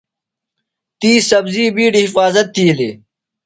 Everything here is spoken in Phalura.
تی سبزی بِیڈیۡ حفاظت تِھیلیۡ۔